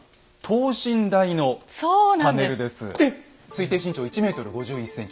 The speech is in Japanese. えっ⁉推定身長１ｍ５１ｃｍです。